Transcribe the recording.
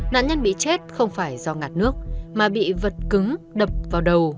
nạn nhân bị chết không phải do ngạt nước mà bị vật cứng đập vào đầu